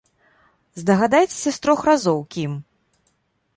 Здагадайцеся з трох разоў, кім?